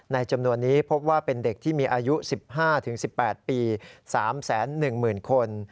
จำนวนนี้พบว่าเป็นเด็กที่มีอายุ๑๕๑๘ปี๓๑๐๐๐คน